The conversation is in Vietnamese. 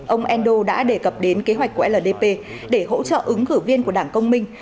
ông endo đã đề cập đến kế hoạch của ldp để hỗ trợ ứng cử viên của đảng công minh